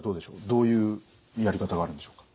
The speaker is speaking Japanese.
どういうやり方があるんでしょうか？